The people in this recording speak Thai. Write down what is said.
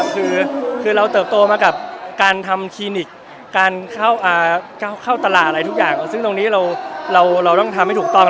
คือเราเติบโตมากับการทำคีนิคการเข้าตลาดซึ่งตรงนี้เราต้องทำให้ถูกต้อง